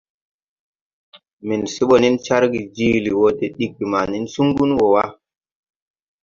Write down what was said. Men se bɔ nen cargè jiili wɔ de diggi ma nen sungu wɔ wa.